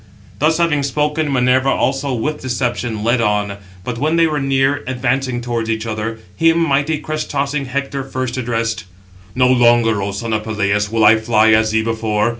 Thus having spoken, Minerva also with deception led on. But when they were near advancing towards each other, him mighty crest tossing Hector first addressed: "No longer, O son of Peleus, will I fly thee as before.